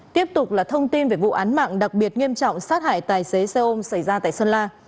tiếp tục là thông tin về vụ án mạng đặc biệt nghiêm trọng sát hại tài xế xe ôm xảy ra tại sơn la